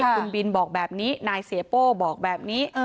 คุณบินบอกแบบนี้นายเสียโป้บอกแบบนี้